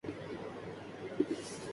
کے ماڈل کی بنیاد